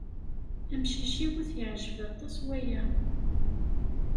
Amcic-iw ad t-yeɛjeb aṭas waya.